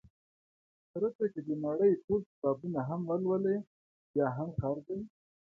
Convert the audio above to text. خره ته که د نړۍ ټول کتابونه هم ولولې، بیا هم خر دی.